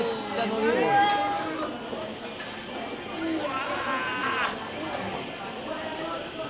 うわ！